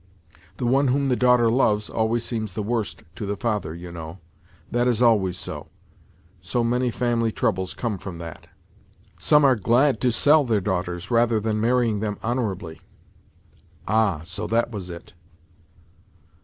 The one whom the daughter loves always seems the worst to the father, you know. That is always so. So many family troubles come from that." " Some are glad to sell their daughters, rather than marrying them honourably." Ah, so that was it